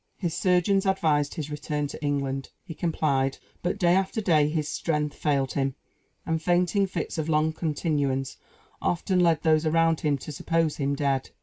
His surgeons advised his return to England. He complied; but day after day his strength failed him, and fainting fits of long continuance often led those around him to suppose him dead.